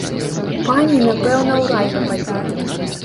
Пані напэўна ў рай пападзе.